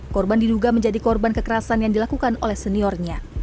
korban diduga menjadi korban kekerasan yang dilakukan oleh seniornya